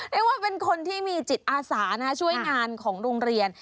เรียกว่าเป็นคนที่มีจิตอาสาช่วยงานของโรงเรียน